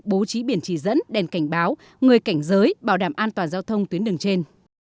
bố trí biển chỉ dẫn đèn cảnh báo người cảnh giới bảo đảm an toàn giao thông tuyến đường trên